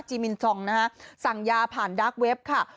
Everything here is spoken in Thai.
มินซองนะคะสั่งยาผ่านดาร์กเว็บค่ะ